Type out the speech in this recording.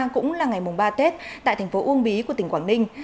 cũng là ngày mùng ba tết tại thành phố uông bí của tỉnh quảng ninh